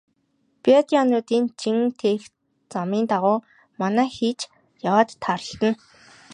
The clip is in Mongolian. Бедоинууд жин тээх замын дагуу манаа хийж яваад тааралдана.